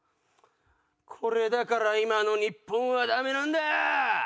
これだから今の日本はダメなんだ！